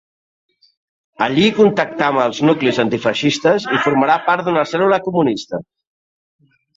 Allí contactà amb els nuclis antifeixistes i formarà part d'una cèl·lula comunista.